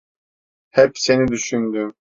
Hep seni düşündüm.